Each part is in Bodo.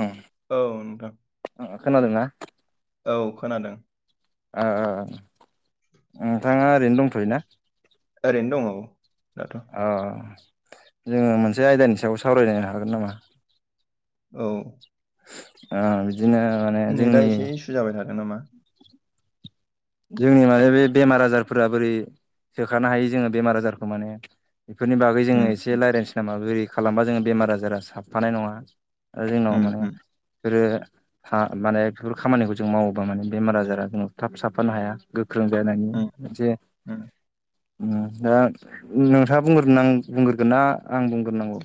ओं औ नोंथां ओ खोनादोंना औ खोनादों। नोंथाङा ओरैनो दंथ'यो ना? ओरैनो दङ। दाथ' औ जोङो मोनसे आयदानि सायाव सावरायायनो हागोन नामा? औ बिदिनो माने नेटआ जोंनि एसे इसु जाबाय थादों नामा जोंनि माने बे बेमार आजारफोरा बोरै सोखानो हायो जोङो बेमार आजारखौ माने बेफोरनि बागै जोङो उम एसे रायज्लायसै नामा बोरै खालामबा जोङो बेमार आजारा साबफानाय नङा। आरो जोंनाव उम माने उम बि ह माने बेफोर खामानिखौ जों मावोबा माने बेमार आजारा जोंन थाब साफानो हाया गोख्रों जानायनि उम मोनसे उम दा नोंथाङा बुंग्रोगोन नख आं बुंग्रोगोन ना? आं बुंग्रोनांगौ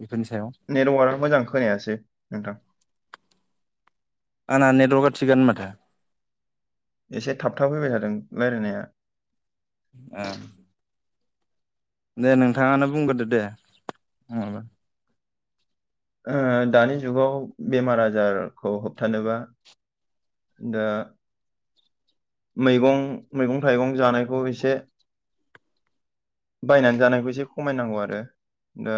बेफोरनि सायाव? नेटवार्कआ मोजां खोनायासै नोंथां आंना नेटवर्कआ थिगोन माथो एसे थाब थाब फैबाय थादों रायलायनाया। ओ दे नोंथाङानो बुंग्रोदो दे नङाबा ओ दानि जुगाव बेमार आजारखौ होबथानोबा दा मैगं मैगं-थाइगं जानायखौ एसे बायनानै जानायखौ एसे खमायनांगौ आरो दा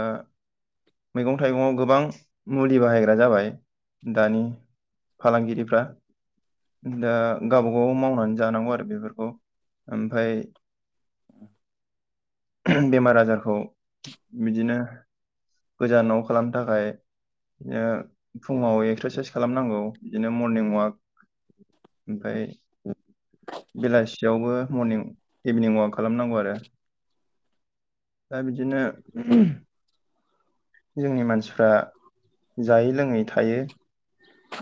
मैगं थाइगङाव गोबां मुलि बाहायग्रा जाबाय दानि फालांगिरिफ्रा दा गावबागाव मावनानै जानांगौ आरो बेफोरखौ ओमफ्राय बेमार आजारखौ बिदिनो गोजानाव खालामनो थाखाय ओ फुङाव एक्सारसाइस खालामनांगौ बिदिनो मरनिं अवाक ओमफ्राय बेलासियावबो मरनिं इभिनिं ववाक खालामनांगौ आरो दा बिदिनो जोंनि मानसिफ्रा जायै लोङै थायो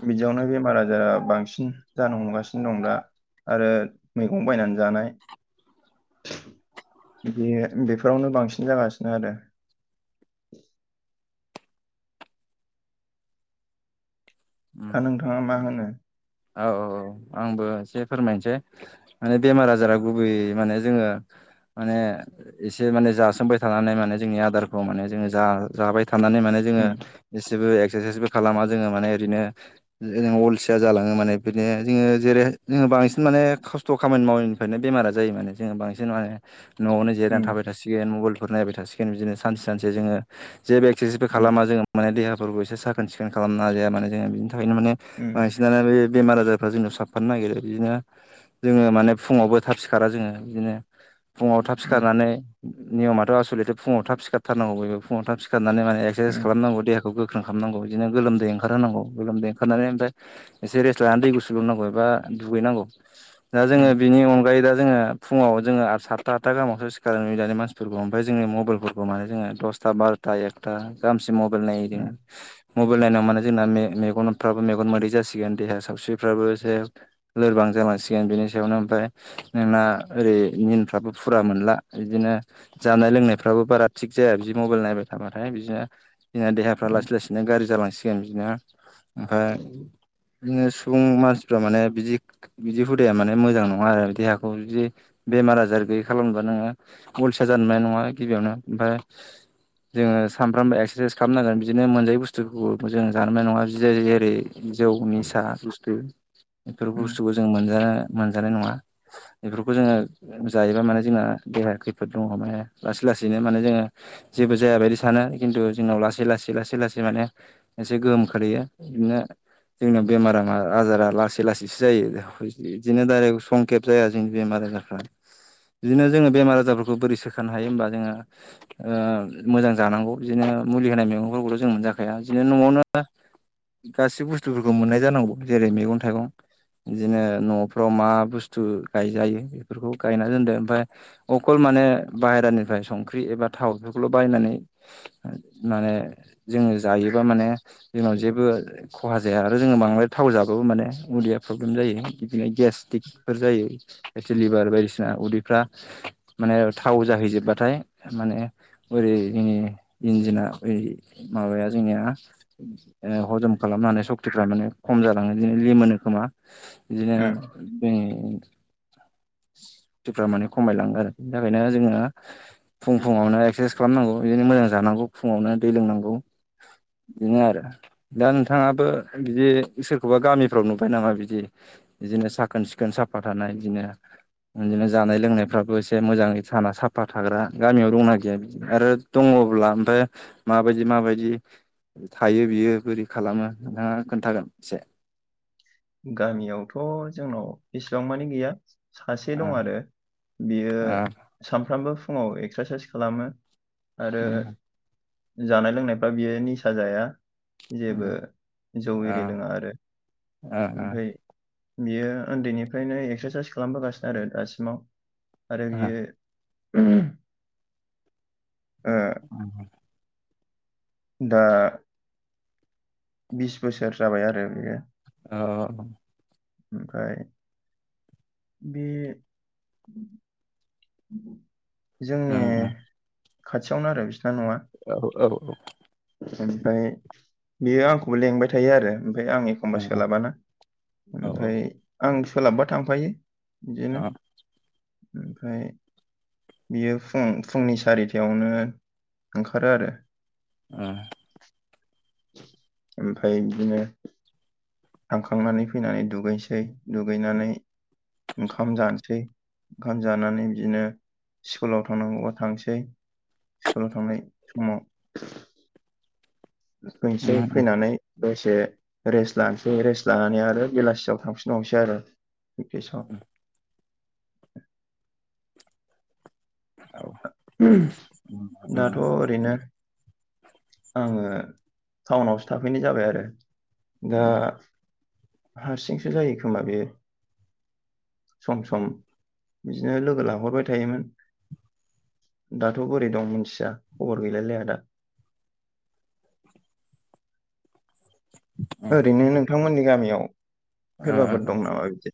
बिदियावनो बेमार आजारा बांसिन जानो हमगासिनो दं दा। आरो मैगं बायनानै जानाय। बे बेफोरावनो बांसिन जागासिनो आरो [inaudible] दा नोंथाङा मा होनो? औ औ आंबो एसे फोरमायनोसै माने बेमार आजारा गुबै माने जोङो माने एसे माने जासोमबाय थानानै माने जोंनि आदारखौ माने जोङो जा-जाबाय थनानै माने जोङो उम जसेबो एक्सारसाइसबो खालामा जोङो माने ओरैनो ओ अलसिया जाला ङो माने बिदिनो जोङो जेरै जोङो बांसिन माने खस्थ' खामानि मावैनिफ्रायनो बेमारा जायो माने जोङो बांसिन माने न'आवावनो उम जिरायनानै थाबाय थासिगोन मबाइलफोर नायबाय थासिगोन बिदिनो सानसे सानसे जोङो जेबो एक्सारसाइसबो उम खालामा जोङो माने देहाफोरखौ एसे साखोन सिखोन खालामना जाया माने जोङो बिनि थाखायनो माने उम बेमार आजारफ्रा जोंनाव साबफानो नागिरो बिदिनो जोङो माने फुङावबो थाब सिखारा जोङो बिदिनो फुङाव थाब उम सिखारनानै नियमाथ' आसलथे' फुङाव थाब सिखारथारनांगौ ब फुाङाव थाब सिखार नै माने माने एक्सारसाइस उम खालामनांगौ देहाखौ गोख्रों खालामनांगौ बिदिनो गोलोमदै ओंखारहोनांगौ गोलोमदै ओंखारनानै ओमफ्राय एसे रेस्ट लानानै दै गु सु ल'नांगौ एबा दुगैनांगौ दा जोङो उम बिनि अनगायै दा जोङो फुङाव जोङो सातथा आतथा गामसो सिखारनाय नुयो दानि मानसिफोरखौ ओमफ्राय जोंनि मबाइल फोरफोरखौ माने जोङो दस था बार'था एगथा गाहाम सिम मबाइल मबाइल नायो जोङो उम मबाइल नायनानै माने जोंना मे-मेगनफ्राबो मेगन मोदै जासिगोन देहा सावस्रिफ्राबो एसे लोरबां जालांसिगोन बेनि सायावनो ओमफ्राय नोंना ओरै निनफ्राबो फुरा मोनला बिदिनो जानाय लोंनायफ्राबो बारा थिग जाया बिदि मबाइल नाय थाबाथाय बिदिनो जोंना देहाफ्रा उम लासै लासैनो गाज्रि जालांसिगोन बिदिनो ओमफ्राय बिदिनो सुबुं मानसिफ्रा माने बिदि बिदि हुदाया माने मोजां नङा आरो देहाखौ बिदि बेमार आजार गैयि खालामबा नोङो अलसिया जानो मोननाय नङा गिबियावनो ओमफ्राय जोङो सानफ्रामबो एक्सारसाइस खालामनांगोन बिदिनो मोनजायै बुस्थुखौ जों जानोनाय नङा बिदि जेरै जौ निसा बुस्थु बेफोर उम बुस्थुखौ जों मोनजा मोन जानाय नङा। बेफोरखौ जोङो जायोबा माने जोंना देहाया खैफोद दङ माने लासै लासैनो माने जोङो जेबो जाया बायदि सानो खिन्थु जोंनाव लासै लासै लासै लासै माने एसे गोहोम खोलैयो बिनो जोंनियाव बेमारा आजारा लासै लासैसो जायो बिदिनो दाररेक्ट संखेब जाया जोंनि बेमार-आजा रफ्रा बिदिनो जोङो बेमार आजारफोरखौ बोरै सोखानो हायो होमबा जोङो ओ मोजां जानांगौ बिदिनो ओ मुलि होनाय मैगंफोरखौथ' जों मोनजाखाया बिदिनो न'आवनो गाससिबो बुस स्थुफोरखौ मोननाय जानांगौ जेरै मैगं-थाइगं बिदिनो न'फ्राव मा बुस्थु गायजायो बेफोरखौ गायना दोनदो बा अकल माने बेहेरानिनिफ्राय संख्रि एबा थाव एफोरखौल'बायनानै माने जों जायोबा माने जोंनाव जेबो खहा जाया आरो जोङो बांद्राय थाव जाबाबो माने उदैया प्रब्लेम जायो। बिदिनो गेस्टिकफोर जायो पेटिलिभार बायदिसि ना उदैफ्रा माने थाव जाहैजोबबाथाय माने ओरैनि इन्जिना यै माबाया जोंनिया हजम खालामनो हानाय सक्तिफ्रा माने खम जालाङो बिदिनो ले मोनो खोमा बिदिनो उम जों सुतफ्रा माने खमायलाङो आरो बेनो जोंआ फुं फुङावनो एक्सारसाइस खालामनांगौ बिदिनो मोजां जानांगौ फुङावनो दै लोंनांगौ बिनो आरो दा नों थांङाबो बिदि सोरखौबा गामिफ्राव नुबाय नामा बिदि बिदिनो साखोन सिखोन साफा थानाय इदिनो बिदिनो जानाय लोंनायफ्राबो एसे मोजाङै साना साफा थाग्रा गामियाव दंना गैया बेदि आरो दङ' अब्ला ओमफाय माबायदि माबायदि थायो बियो बोरै खालामो नोंथाङा खोन्थागोन एसे गामियावथ जोंनाव बेसेबां मानि गैया सासे ओ दं आरो बियो ओ सामफ्रामबो फुङाव एक्सारसाइस खालामो आरो उम उम जानाय लोंनायफ्रा बियो निसा जाया जेबो जौ एरि लोङा आरो ओ ओ ओमफ्राय बियो उन्दैनिफ्रायनो एक्सारसाइस खालामबोगासिनो आरो दासिमाव आरो बियो उम ओ दा बिस बोसोर जाबाय आरो बेयो अ अ अ ओमफ्राय बे उ उ जोंनि खाथियावनो आरो बिस औ औ औ ओमफ्राय बेयो आंखौबो लेंबाय थायो आरो ओमफ्राय आं एखमबा सोलाबाना ओ औ ओमफ्राय आं सोलाबबा थांफायो बिदिनो आ ओमफ्राय बियो फुं फुंनि सारिथायावनो ओंखारो आरो उम ओमफाय बिदिनो थांखांनानै फैनानै दुगैनोसै दुगैनानै ओंखाम जानोसै ओंखाम जानानै बिदिनो स्कुलाव थांनांगौबा थांसै स्कुलाव थांनाय समाव औ फैसै औ औ फैनानै दसे रेस्ट लानोसै रेस्ट लानानै आरो बेलासियाव थांफिनबावनोसै आरो [unintelligible] औ उम उम दाथ ओरैनो आंङो टाउनावसो थाफैनाय जाबाय आरो दा हारसिंसो जायो खोमा बे सम सम बिदिनो लोगो लाहरबाय थायोमोन। दाथ' बोरै दं मिथिया खबर गैलायलाया दा ओरैनो नोंथांमोननि गामियाव आ सोरबाफोर दं नामा बिदि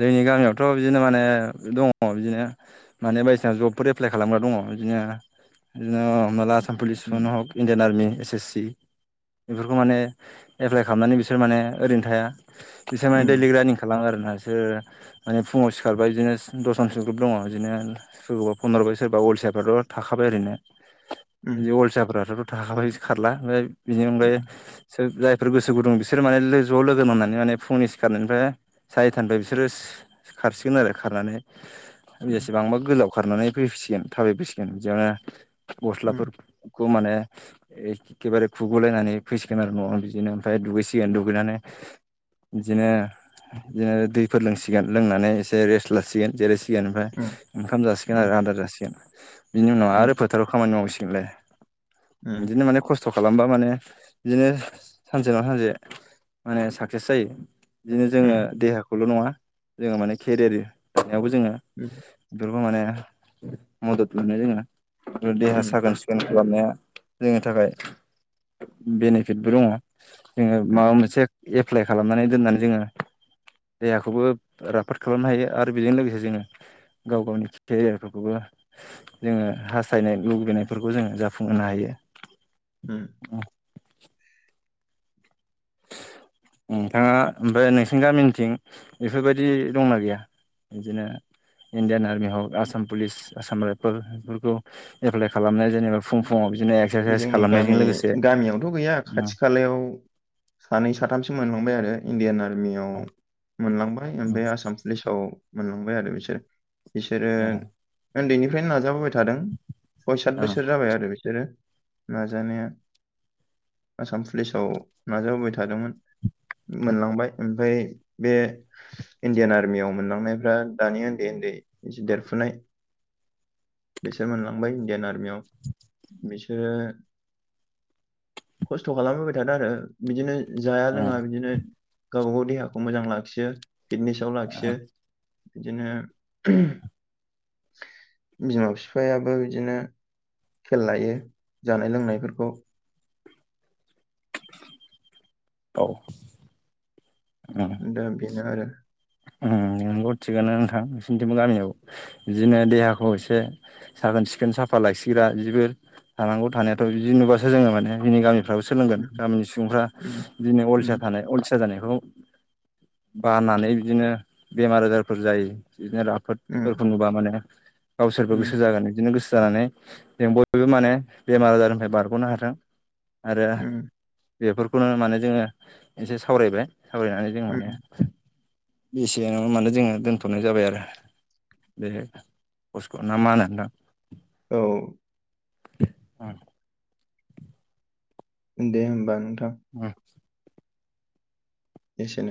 जोंनि गामियावथ' बिदिनो माने दङ बिदिनो माने बायदिसिना जबफोर एप्लाइ खालामग्रा दङ बिदिनो बिदिनो हमनाला आसाम उम पुलिसफोरनो हक Indian army S S C बेफोरखौ माने एप्लाइ खालामनानै बिसोर माने ओरैनो थाया बिसोर माने उम दैलि रानिं खालामो आरो ना बि माने फुङाव सिखारबाय बिदिनो दसनसो ग्रुप दङ बिदिनो सोरबा फन हरब्बाय सोरबा अलसि फिथाइफ्राथ' थाखाबाय ओरैनो उम बे अलसाफ्राथ'थ' थाखाबाय खारला ओमफ्राय बिनि अनगायै जायफोर गोसो गुदुं बिसोर माने लो ज' लोगो नांना माने फुंनि सि खारनायनिफ्राय सारिथानिफ्राय बिसोरो खारसिगोन आरो खारनानै बेसेबांबा गोलाव खारनानै फैफसिगोन थाबायबोसिगोन बेयावनो उम गस्लाफोर खौ माने एखेबारे खुगलायनानै फैसिगोन आरो न'आव बिदिनो ओमफ्राय दुगैसिगोन दुगैनानै [inaudible] बिदिनो बिदिनो दैफोर लोंसिगोन लोंनानै एसे रेस्ट लासिगोन जेरै सिसिगोन ओमफ्राय उम ओंखाम जासिगोन आरो आदार जासिगोन बिनि उनाव उम आरो फोथाराव खामानि मावसिगोनलाय उम बिदिनो माने खस्थ' खालामबा माने बिदिनो सानसे ना सानसे माने साक्सेस जायो। बिदिनो जोङो उम देहाखौल' नङा जोङो माने केेरियार बेयावबो जोङो बेफोरखौ माने मदद मोनो जोङो। देहा उम साखोन सिखोन खालामनाया जोंनि थाखाय बेनिफिटबो दङ। जोङो उम माबा मोनसे एप्लाइ खालामनानै दोननानै जोङो देहाखौबो राफोद खालामनो हायो आरो बेजों लोगोसे जोङो गाव गावनि केरियारफोरखौबो जोङो हास्थायनाय लुुबैनायफोरखौ जोङो जाफुंहोनो हायो। उम नोंथाङा ओमफ्राय नोंसिनि गामिनिथिं बेफोरबायदि दंना गैया बिदिनो इण्डियान आर्मि हक आसाम पुलिस आसाम रायफोल बेफोरखौ एप्लाइ खालामनाय जेनेबा फुं फुंआव जोंनि गामि गामियावथ' गैया उम खाथि खालायाव सानै साथामसो से मोनलांबाय आरो इण्डियान आरमियाव उम मोनलांबाय ओमफ्राय आसाम पुलिसाव मोनलांबाय आरो बिसोर बिसोरो उम उन्दैनिफ्रायनो नाजाबोबाय थादों सय सत उम बोसोर जाबाय आरो बिसोरो नाजानाया आसाम पुलिसाव नाजाबोबाय थादोंमोन। मोनलांबाय ओमफ्राय बे इण्डियान आर्मियाव मोनलांनायफ्रा दानि उन्दै देरफुनाय बिसोर मोनलांबाय इणडियान आर [inaudible] बिसोरो खस्थ' खालामबोबाय थादों आरो बिदिनो जाया लोङा उम बिदिनो गावबा गाव देहाखौ मोजां लाखियो फिटनेसाव लाखियो। बिदिनो बिमा बिफायाबो बिदिनो खेल लायो जानाय लोंनायफोरखौ औ उम द बेनो आरो नोंगौ थिगानो नोंथां नसोरनिथिंबो गामियाव बिदिनो देहाखौ एसे साखोन सिखोन सिफेन साफा लाखसिग्रा बिबो थानांगौ थानायाथ' बिदि नुबासो जोङो माने जोंनि गामि फ्राबो सोंन गामिनि सुबुंफ्रा उम दिनै उम अलसिया थानाय अलसिया जानाय बेखौ बानानै बिदिनो बेमार आजारफोर जायो‌ बिदिनो उम राफोदफोरखौ नुबा माने गावसोरबो उम गोसो जागोन बिदिनो गोसो जानानै जों बयबो माने बेमार आजारनिफ्राय बारगनो हाथों। आरो उम बेफोरखौनो माने जोङो एसे सावरायबाय सावरायनानै जों माने उम एसेयाव माने जोङो दोन्थ'नाय जाबाय आरो बे खस्क' ना मा होनो दा औ उम दे होनबा नोंथां। उम एसेनो